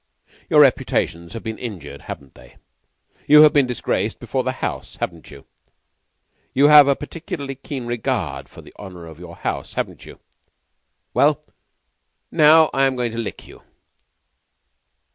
Your reputations have been injured, haven't they? You have been disgraced before the house, haven't you? You have a peculiarly keen regard for the honor of your house, haven't you? Well, now I am going to lick you."